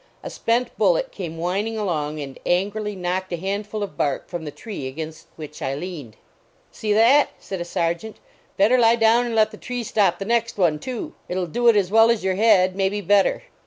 A spent bullet came whining along and angrily knocked a handful of bark from the tree against which I leaned. " See that!" said a sergeant; " better lie down and let the tree stop the next one, too. It ll do it as well as your head; may be bet ter."